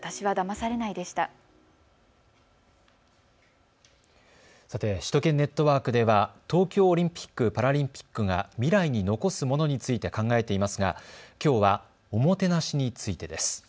さて首都圏ネットワークでは東京オリンピック・パラリンピックが未来に残すものについて考えていますがきょうは、おもてなしについてです。